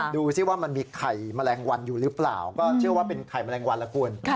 ดูสิว่ามันมีไข่แมลงวันอยู่หรือเปล่าก็เชื่อว่าเป็นไข่แมลงวันละคุณ